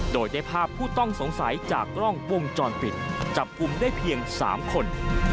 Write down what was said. โดยได้ภาพผู้ต้องสงสัยจากกล้องวงจรปิดจับกลุ่มได้เพียง๓คน